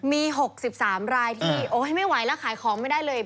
มี๖๓รายที่โอ๊ยไม่ไหวแล้วขายของไม่ได้เลย